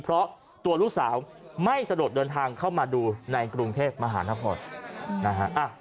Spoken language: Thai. เพราะตัวลูกสาวไม่สะดดเดินทางเข้ามาดูในกรุงเทพฯมหาลักษณ์พอร์ต